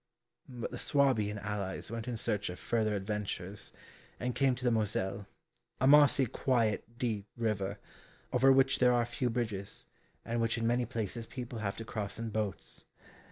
But the Swabian allies went in search of further adventures, and came to the Moselle, a mossy, quiet, deep river, over which there are few bridges, and which in many places people have to cross in boats.